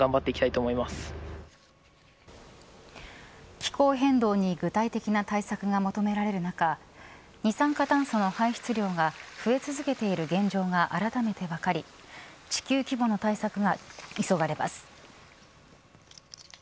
気候変動に具体的な対策が求められる中二酸化炭素の排出量が増え続けている現状があらためて分かり地球規模の対策が急がれます。